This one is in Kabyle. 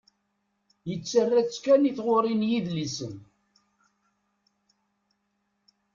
Yettarra-tt kan i tɣuri n yidlisen.